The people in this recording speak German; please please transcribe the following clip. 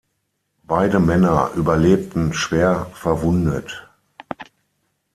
Beide Männer überlebten schwer verwundet.